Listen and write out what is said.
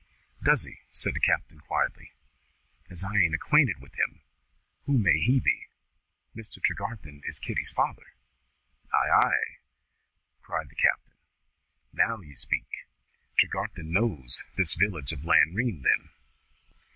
"Does he?" said the captain quietly. "As I ain't acquainted with him, who may he be?" "Mr. Tregarthen is Kitty's father." "Ay, ay!" cried the captain. "Now you speak! Tregarthen knows this village of Lanrean, then?"